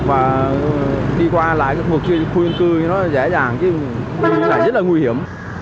và đi qua lại một khu vực cư nó dễ dàng chứ lại rất là nguy hiểm